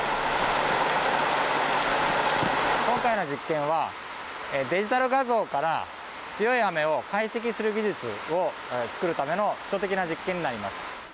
今回の実験は、デジタル画像から強い雨を解析する技術を作るための基礎的な実験になります。